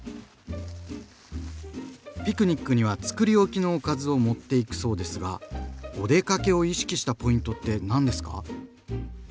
ピクニックにはつくりおきのおかずを持っていくそうですがお出かけを意識したポイントって何ですか？